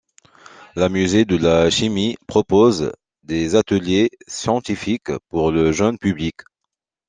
Le musée de la chimie propose des ateliers scientifiques pour le jeune public.